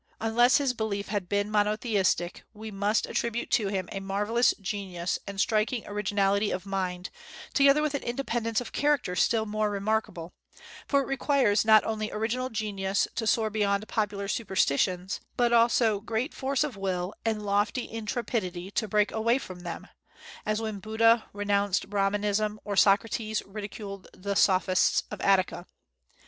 Unless his belief had been monotheistic, we must attribute to him a marvellous genius and striking originality of mind, together with an independence of character still more remarkable; for it requires not only original genius to soar beyond popular superstitions, but also great force of will and lofty intrepidity to break away from them, as when Buddha renounced Brahmanism, or Socrates ridiculed the Sophists of Attica.